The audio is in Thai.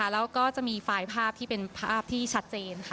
แล้วก็จะมีไฟล์ภาพที่เป็นภาพที่ชัดเจนค่ะ